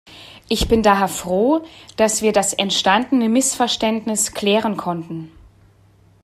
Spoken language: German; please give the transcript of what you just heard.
Ich bin daher froh, dass wir das entstandene Missverständnis klären konnten.